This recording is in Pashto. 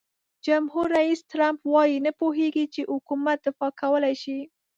جمهور رئیس ټرمپ وایي نه پوهیږي چې حکومت دفاع کولای شي.